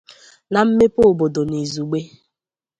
na mmepe obodo n'izugbe.